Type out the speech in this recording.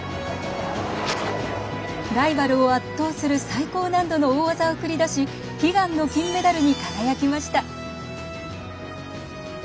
ライバルを圧倒する最高難度の大技を繰り出し悲願の金メダルに輝きました。